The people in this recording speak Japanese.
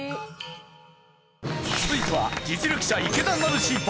続いては実力者池田成志ＶＳ